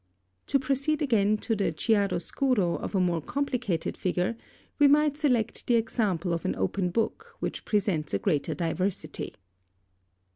To proceed again to the chiaro scuro of a more complicated figure, we might select the example of an open book, which presents a greater diversity.